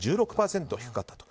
１６％低かったと。